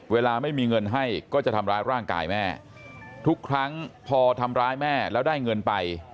เวลาไม่มีเงินให้ก็จะทำร้ายร่างกายแม่ทุกครั้งพอทำร้ายแม่แล้วได้เงินไป